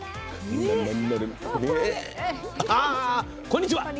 こんにちは。